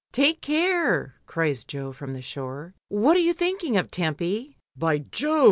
"Take care," cries Jo from the shore. "What are you thinking of, Tempy?" "By Jove!